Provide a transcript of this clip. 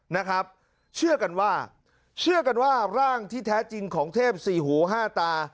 นะครับเชื่อกันว่าเชื่อกันว่าร่างที่แท้จริงของเทพสี่หูห้าตา